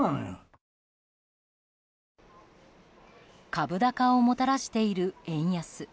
株高をもたらしている円安。